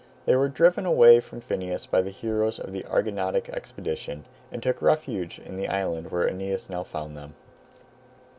They were driven away from Phineus by the heroes of the Argonautic expedition, and took refuge in the island where Aeneas now found them.